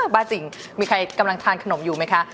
บ้าจิ๋งมีใครกำลังทานขนมอยู่ไหมคะ